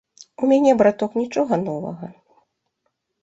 У мяне браток нічога новага.